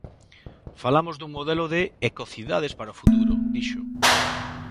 Falamos dun modelo de ecocidades para o futuro, dixo.